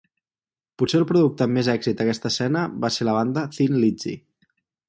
Potser el producte amb més èxit d'aquesta escena va ser la banda Thin Lizzy.